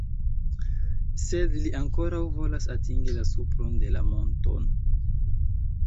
Sed li ankoraŭ volas atingi la supron de la monto.